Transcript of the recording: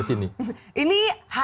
hanya yang ini